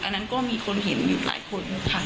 อันนั้นก็มีคนเห็นอยู่หลายคนค่ะ